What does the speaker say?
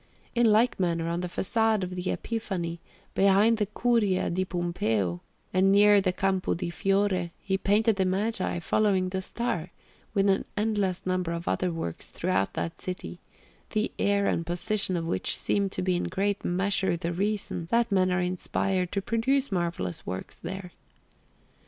In like manner, on the façade of the Epifani, behind the Curia di Pompeo, and near the Campo di Fiore, he painted the Magi following the Star; with an endless number of other works throughout that city, the air and position of which seem to be in great measure the reason that men are inspired to produce marvellous works there.